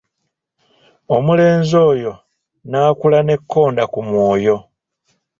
Omulenzi oyo n'akula n'ekkonda ku mwoyo.